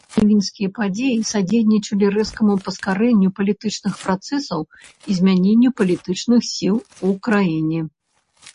Жнівеньскія падзеі садзейнічалі рэзкаму паскарэнню палітычных працэсаў і змяненню палітычных сіл у краіне.